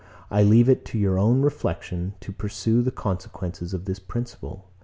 I leave it to your own reflection to pursue the consequences of this principle.